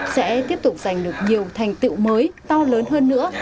sẽ tiếp tục giành được nhiều thành tiệu mới to lớn hơn nữa